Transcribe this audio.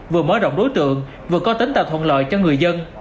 vừa mở rộng đối tượng vừa có tính tạo thuận lợi cho người dân